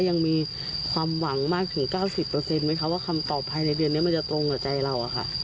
ยังมีความหวังมากถึงเก้าสิบเปอร์เซ็นต์ไหมคะว่าคำตอบภัยในเดือนเนี้ยมันจะตรงกับใจเราอะค่ะ